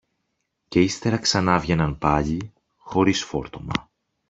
και ύστερα ξανάβγαιναν πάλι χωρίς φόρτωμα